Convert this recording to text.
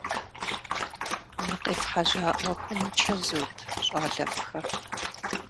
Мы къефхьэжьа ӏуэхум и чэзут, щӏалэфӏхэ?